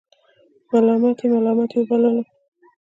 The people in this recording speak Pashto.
ملامت یې ملامت وبللو.